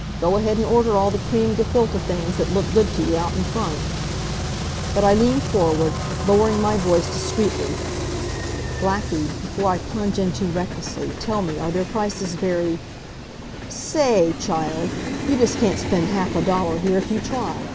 "Go ahead an' order all the cream gefillte things that looked good to you out in front." But I leaned forward, lowering my voice discreetly. "Blackie, before I plunge in too recklessly, tell me, are their prices very " "Sa a ay, child, you just can't spend half a dollar here if you try.